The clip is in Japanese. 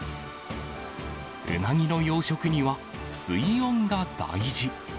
うなぎの養殖には水温が大事。